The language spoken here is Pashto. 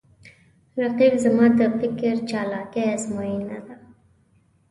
رقیب زما د فکر چالاکي آزموینه ده